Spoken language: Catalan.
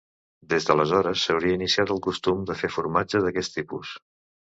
Des d'aleshores s'hauria iniciat el costum de fer formatge d'aquest tipus.